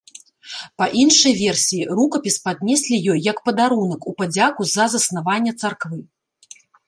Па іншай версіі, рукапіс паднеслі ёй як падарунак у падзяку за заснаванне царквы.